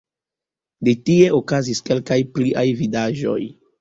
De tie okazis kelkaj pliaj vidaĵoj.